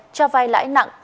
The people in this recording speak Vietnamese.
cho vai lãi nặng